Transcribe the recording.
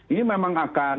ini memang akan